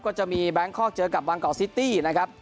ก็จะมีแบลงคอคเจอกับวางเกาะซิตี้นะครับ